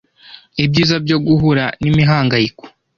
ibyiza byo guhura n imihanganyiko